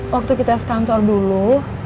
waktu kita sekantor dulu